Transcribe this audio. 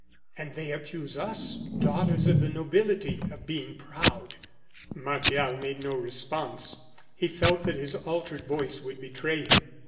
And they accuse us, daughters of the nobility, of being proud!" Martial made no response. He felt that his altered voice would betray him.